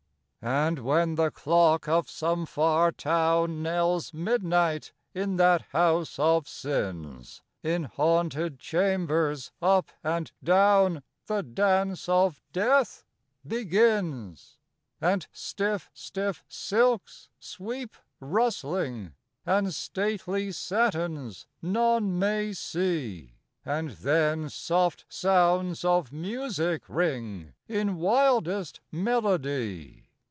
And when the clock of some far town Knells midnight, in that house of sins, In haunted chambers, up and down, The dance of death begins; And stiff, stiff silks sweep, rustling, And stately satins none may see; And then soft sounds of music ring In wildest melody.